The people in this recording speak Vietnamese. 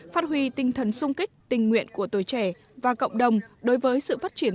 phát huy tinh thần sung kích tình nguyện của tuổi trẻ và cộng đồng đối với sự phát triển